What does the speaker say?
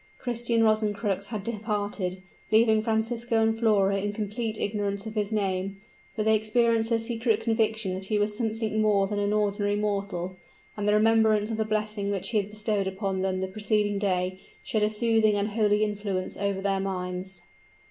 Christian Rosencrux had departed, leaving Francisco and Flora in complete ignorance of his name; but they experienced a secret conviction that he was something more than an ordinary mortal; and the remembrance of the blessing which he had bestowed upon them the preceding day, shed a soothing and holy influence over their minds.